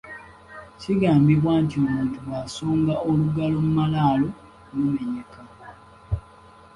Kigambibwa nti omuntu bw'asonga olugalo mu malaalo, lumenyeka.